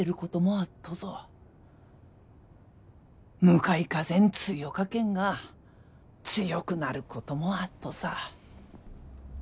向かい風ん強かけんが強くなることもあっとさ。